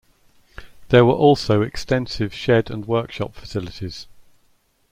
There were also extensive shed and workshop facilities.